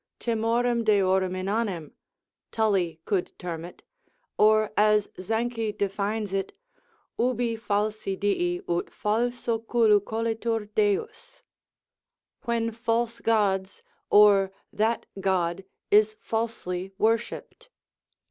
Timorem deorum inanem, Tully could term it; or as Zanchy defines it, Ubi falsi dii, aut falso cullu colitur Deus, when false gods, or that God is falsely worshipped.